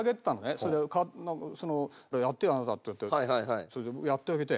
「やってよあなた」っていってそれでやってあげて。